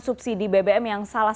maksudnya kalau ini kampanye dijualan